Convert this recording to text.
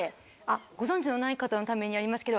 ご存じのない方のためにやりますけど。